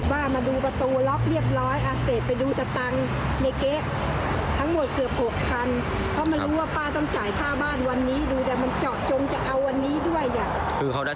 ป้ามาดูประตูล็อกเรียบร้อยอ่ะเสร็จไปดูตะตัง